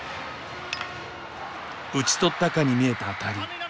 打ち取ったかに見えた当たり。